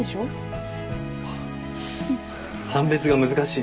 あっ判別が難しい。